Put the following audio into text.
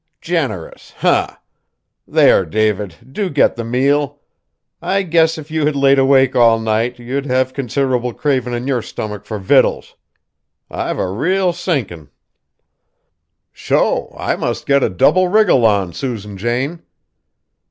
"Generous, umph! There, David, do get the meal. I guess if you had laid awake all night, you'd have considerable cravin' in yer stomach fur victuals. I've a real sinkin'." "Sho! I must get a double wriggle on, Susan Jane."